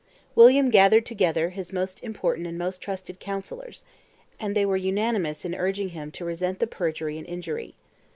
William gathered together his most important and most trusted counsellors; and they were unanimous in urging him to resent the perjury and injury.